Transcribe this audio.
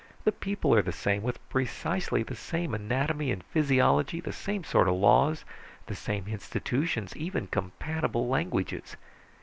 The people are the same, with precisely the same anatomy and physiology, the same sort of laws, the same institutions, even compatible languages.